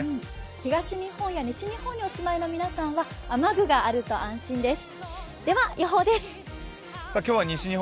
東日本や西日本にお住まいの皆さんは雨具があると安心です。